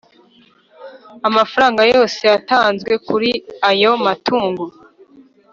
Amafaranga yose yatanzwe kuri ayo matungo